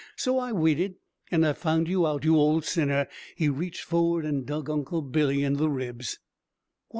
So I waited. And I found you out, you old sinner!" He reached forward and dug Uncle Billy in the ribs.